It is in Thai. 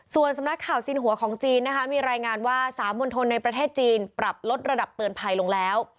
ส่วนสำนักข่าวสินหัวของจีนนะคะมีรายงานว่า๓มณฑลในประเทศจีนปรับลดระดับเตือนภัยลงแล้ว